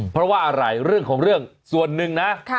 เพราะว่าอะไรเรื่องของเรื่องส่วนหนึ่งนะ